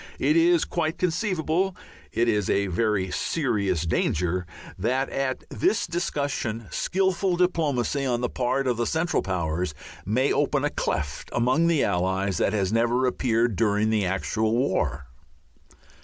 It is quite conceivable it is a very serious danger that at this discussion skilful diplomacy on the part of the Central Powers may open a cleft among the Allies that has never appeared during the actual war.